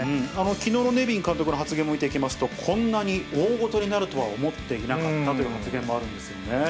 きのうのネビン監督の発言も見ていきますと、こんなに大ごとになるとは思っていなかったという発言もあるんですよね。